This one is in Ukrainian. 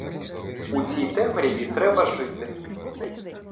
У цій темряві треба жити.